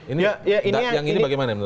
ini bagaimana menurut anda